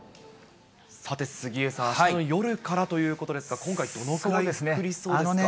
さて、杉江さん、あすの夜からということですが、今回、どのぐらい降りそうですか？